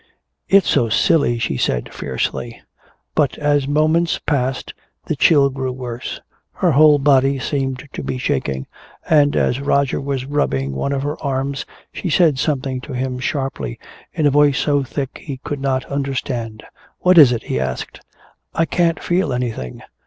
"It's so silly!" she said fiercely. But as moments passed the chill grew worse. Her whole body seemed to be shaking, and as Roger was rubbing one of her arms she said something to him sharply, in a voice so thick he could not understand. "What is it?" he asked. "I can't feel anything."